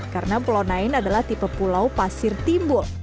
karena pulau nain adalah tipe pulau pasir timbul